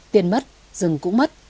tiền mất rừng cũng mất